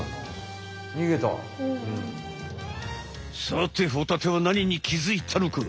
さてホタテはなにに気づいたのか？